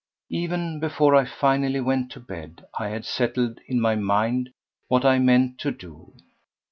Even before I finally went to bed I had settled in my mind what I meant to do.